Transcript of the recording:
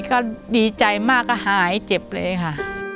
ก็ดีใจมากก็หายเจ็บเลยค่ะ